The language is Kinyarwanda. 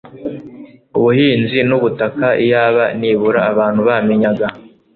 ubuhinzi nubutaka Iyaba nibura abantu bamenyaga